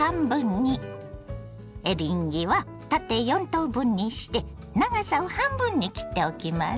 エリンギは縦４等分にして長さを半分に切っておきます。